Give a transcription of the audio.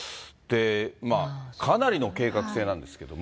かなりの計画性なんですけれども。